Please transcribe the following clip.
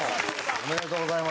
おめでとうございます。